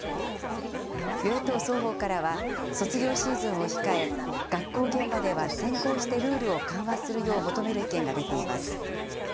与野党双方からは、卒業シーズンを控え、学校現場では先行してルールを緩和するよう求める意見が出ています。